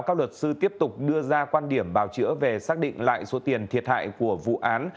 các luật sư tiếp tục đưa ra quan điểm bào chữa về xác định lại số tiền thiệt hại của vụ án